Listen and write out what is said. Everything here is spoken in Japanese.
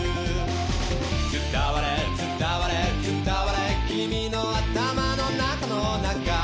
「伝われ伝われ伝われ君の頭の中の中」